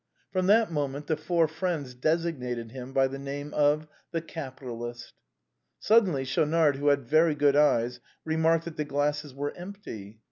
From that moment, the four friends designated him by the name of " The Capitalist." Suddenly Schaunard, who had very good eyes, remarked that the glasses were empty.